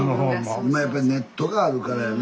今やっぱりネットがあるからやね。